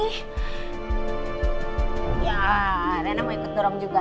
iya nenek mau ikut dorong juga